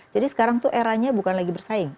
jadi sekarang tuh eranya bukan lagi bersaing